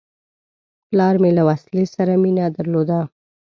پلار مې له وسلې سره مینه درلوده.